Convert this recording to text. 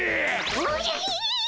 おじゃひ！